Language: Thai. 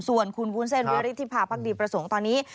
ส่วนคุณวูนเซมวิวุฤธิภาพรรดีประสงค์ตอนนี้